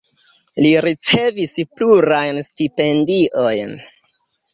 Li ricevis plurajn stipendiojn.